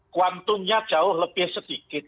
kuantumnya jauh lebih sedikit